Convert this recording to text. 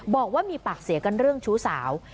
บอกว่ามีปากเสียกันเรื่องชู้สาว